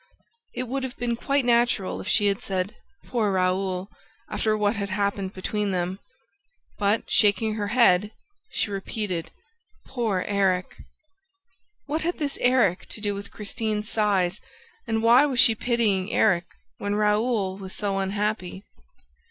It would have been quite natural if she had said, "Poor Raoul," after what had happened between them. But, shaking her head, she repeated: "Poor Erik!" What had this Erik to do with Christine's sighs and why was she pitying Erik when Raoul was so unhappy?